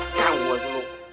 nganggu aja lo